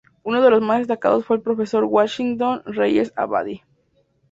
Uno de los más destacados fue el profesor Washington Reyes Abadie.